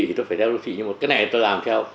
thì tôi phải đeo đô thị như một cái này tôi làm theo